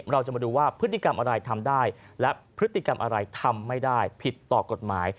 เราจะมาดูว่าพฤติกรรมอะไรทำได้และพฤติกรรมอะไรทำไม่ได้ผิดต่อกฎหมาย